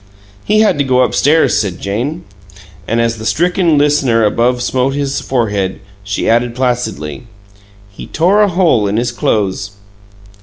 "He had to go up stairs," said Jane. And as the stricken listener above smote his forehead, she added placidly, "He tore a hole in his clo'es."